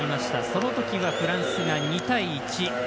その時はフランスが２対１。